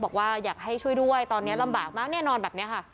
บอกว่าอยากให้ช่วยด้วยตอนนี้ลำบากมากแน่นอนแบบนี้ค่ะ